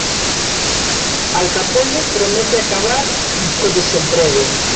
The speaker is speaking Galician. Al Capone promete acabar co desemprego.